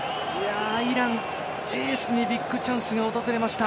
イラン、エースにビッグチャンスができました。